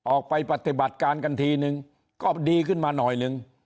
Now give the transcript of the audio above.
ออกไปปฏิบัติการกันทีนึงก็ดีขึ้นมาหน่อยนึง